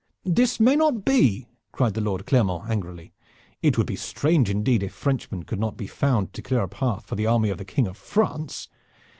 "This may not be!" cried the Lord Clermont angrily. "It would be strange indeed if Frenchmen could not be found to clear a path for the army of the King of France.